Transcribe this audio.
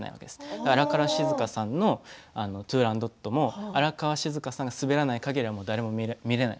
だから荒川静香さんの「トゥーランドット」も荒川静香さんが滑らないかぎりは誰も見られない。